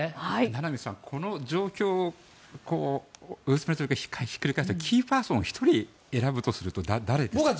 名波さん、この状況ひっくり返してキーパーソンを１人選ぶすると誰ですか？